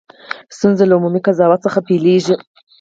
ستونزه له عمومي قضاوت څخه پیلېږي.